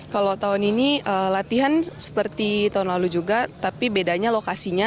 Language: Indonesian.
kalau tahun ini latihan seperti tahun lalu juga tapi bedanya lokasinya